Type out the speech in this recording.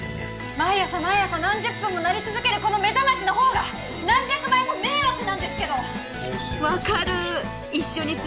毎朝毎朝何十分も鳴り続けるこの目覚ましの方が何百倍も迷惑なんですけど！